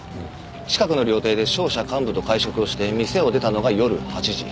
近くの料亭で商社幹部と会食をして店を出たのが夜８時。